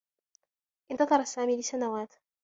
انتظر سامي لسنوات.